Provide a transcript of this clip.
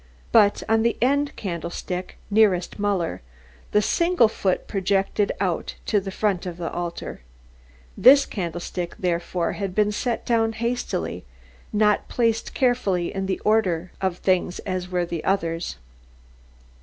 But on the end candlestick nearest Muller the single foot projected out to the front of the altar. This candlestick therefore had been set down hastily, not placed carefully in the order of things as were the others.